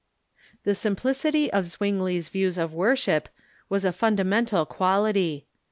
The simplicity of Zwingli's views of worship Avas a funda mental quality.